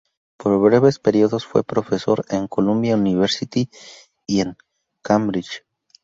Por breves períodos fue profesor en Columbia University y en Cambridge.